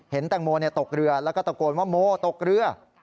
แตงโมตกเรือแล้วก็ตะโกนว่าโมตกเรือ